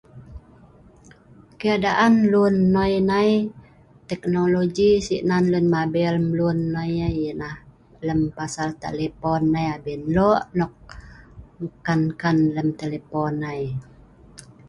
keadaan lun noi nai teknologi sik nan lun mabel mlun noi aai ialah lem pasal telepon nai abin lok nok on kan lem telepon ai